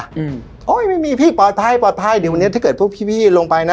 อืมโอ้ยไม่มีพี่ปลอดภัยปลอดภัยเดี๋ยววันนี้ถ้าเกิดพวกพี่พี่ลงไปนะ